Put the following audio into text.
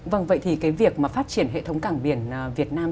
vâng vậy thì cái việc mà phát triển hệ thống cảng biển việt nam